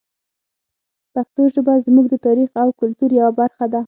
پښتو ژبه زموږ د تاریخ او کلتور یوه برخه ده.